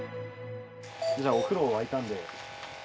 じゃあお風呂沸いたんで入ります。